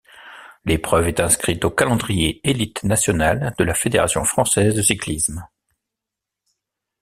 L'épreuve est inscrite au calendrier élite nationale de la Fédération française de cyclisme.